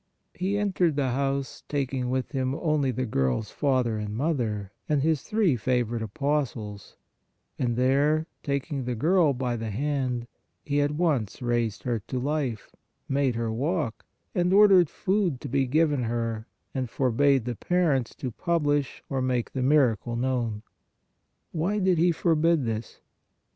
He entered the house taking with Him only the girl s father and mother and His three favorite apostles, and there taking the girl by the hand, He at once raised her to life, made her walk, and or dered food to be given her and forbade the parents to publish or make the miracle known. Why did He forbid this?